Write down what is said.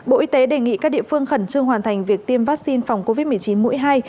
bộ y tế đề nghị các địa phương khẩn trương hoàn thành việc tiêm vaccine phòng covid một mươi chín mũi hai